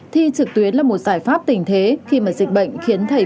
thì trực tuyến là một giải pháp tình thế khi mà dịch bệnh khiến bệnh